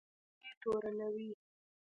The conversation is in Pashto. هغوی په بې دینۍ تورنوي.